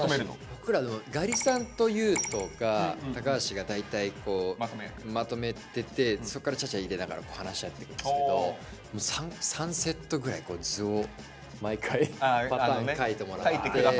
僕らガリさんと優斗が橋が大体まとめててそっからちゃちゃ入れながら話し合っていくんですけど３セットぐらい図を毎回パターン描いてもらって。